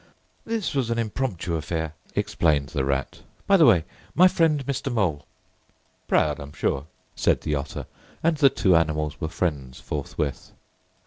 "This was an impromptu affair," explained the Rat. "By the way—my friend Mr. Mole." "Proud, I'm sure," said the Otter, and the two animals were friends forthwith.